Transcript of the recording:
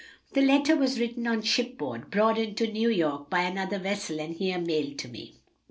"The letter was written on shipboard, brought into New York by another vessel and there mailed to me."